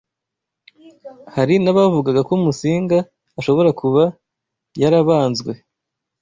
Hari nabavugaga ko Musinga ashobora kuba yarabanzwe